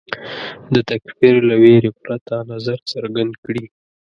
د تکفیر له وېرې پرته نظر څرګند کړي